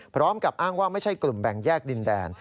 พร้อมกับอ้างว่าไม่ใช่กลุ่มแบ่งแยกดินแดน